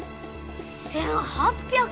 １，８００！？